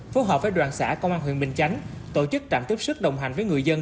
phù hợp với đoàn xã công an huyện bình chánh tổ chức trạm tiếp sức đồng hành với người dân